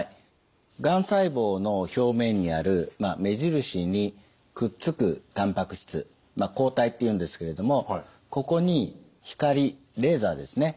がん細胞の表面にある目印にくっつくたんぱく質抗体っていうんですけれどもここに光レーザーですね